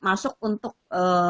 masuk untuk ee